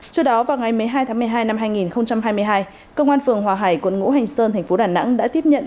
trước đó vào ngày một mươi hai tháng một mươi hai năm hai nghìn hai mươi hai công an phường hòa hải quận ngũ hành sơn thành phố đà nẵng đã tiếp nhận